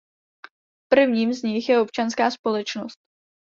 Prvním z nich je občanská společnost.